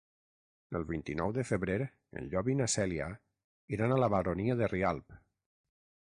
El vint-i-nou de febrer en Llop i na Cèlia iran a la Baronia de Rialb.